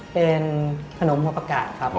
เป็นขนมหัวปะกะครับ